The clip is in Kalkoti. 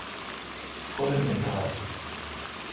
اورنی تھال۔